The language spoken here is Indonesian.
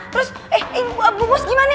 terus eh ibu bos gimana